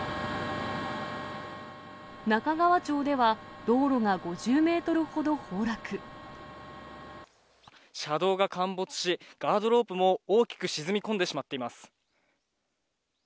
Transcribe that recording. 中川町では、道路が５０メー車道が陥没し、ガードロープも大きく沈み込んでしまっています。